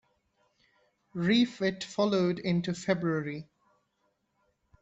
Refit followed into February.